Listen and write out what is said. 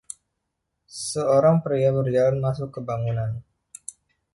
Seorang pria berjalan masuk ke bangunan.